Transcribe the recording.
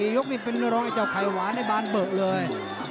ยกนี่เป็นรองไอเจ้าไข่หวานในบานเบิกเลย